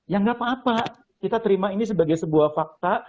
ya nggak apa apa kita terima ini sebagai sebuah fakta